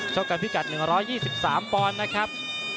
กันพิกัด๑๒๓ปอนด์นะครับ